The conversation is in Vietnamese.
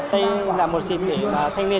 đây là một dịp để thanh niên